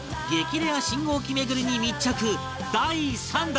レア信号機巡りに密着第３弾